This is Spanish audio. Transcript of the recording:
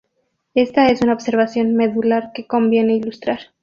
Esta es una observación medular que conviene ilustrar.